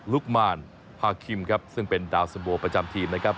ลุกมานพาคิมครับซึ่งเป็นดาวสโบประจำทีมนะครับ